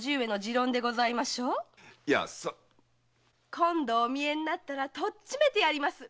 今度見えられたらとっちめてやります。